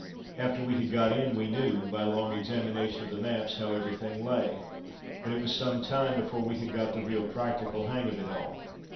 After we had got in we knew, by long examination of the maps, how everything lay, but it was some time before we had got the real practical hang of it all.